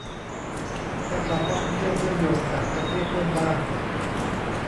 และการท่องเที่ยวเชื่อมโยงกับประเทศเพื่อนบ้าน